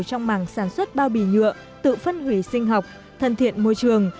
trong mảng sản xuất bao bì nhựa tự phân hủy sinh học thân thiện môi trường